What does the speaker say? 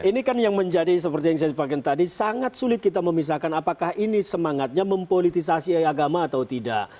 ini kan yang menjadi seperti yang saya sepakat tadi sangat sulit kita memisahkan apakah ini semangatnya mempolitisasi agama atau tidak